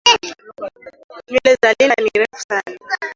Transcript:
Nywele za linda ni refu sana.